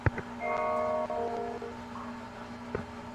তোমাদিগকে নিজের পায়ের উপর দাঁড়াইতে হইবে।